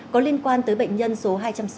tới bệnh nhân số hai trăm sáu mươi tám